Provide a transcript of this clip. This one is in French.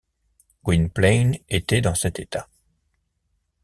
Gwynplaine était dans cet état.